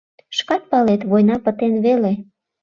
Шкат палет, война пытен веле.